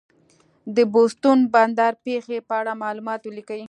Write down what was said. د بوستون بندر پېښې په اړه معلومات ولیکئ.